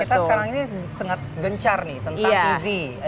kita sekarang ini sangat gencar nih tentang tv